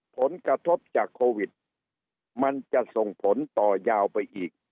ผลกระทบจากโควิดมันจะส่งผลต่อยาวไปอีก